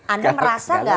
anda merasa gak